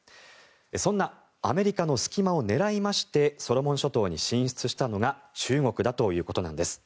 そんなアメリカの隙間を狙いましてソロモン諸島に進出したのが中国だということなんです。